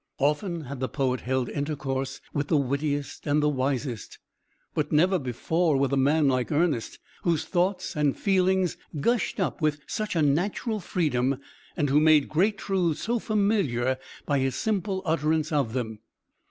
Often had the poet held intercourse with the wittiest and the wisest, but never before with a man like Ernest, whose thoughts and feelings gushed up with such a natural freedom, and who made great truths so familiar by his simple utterance of them.